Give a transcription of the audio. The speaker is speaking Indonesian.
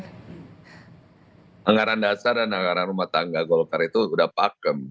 tengah rendah sadar dan tengah rumah tangga golkar itu sudah pakem